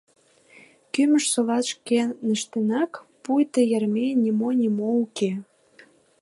Кӱмыж-совлат шкеныштынак, пуйто Еремейын нимо-нимо уке.